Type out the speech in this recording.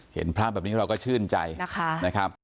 เห็นภาพแบบนี้เราก็ชื่นใจนะคะ